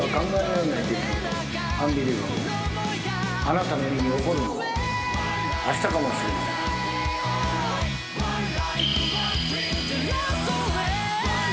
あなたの身に起こるのはあしたかもしれません。